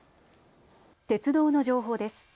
鉄道の情報です。